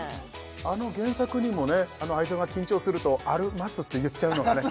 あの原作にもね愛沢緊張すると「あるます」って言っちゃうのがね